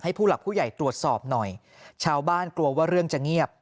ผู้หลักผู้ใหญ่ตรวจสอบหน่อยชาวบ้านกลัวว่าเรื่องจะเงียบ